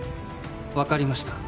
分かりました。